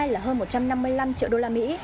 là hơn một trăm năm mươi năm triệu đô la mỹ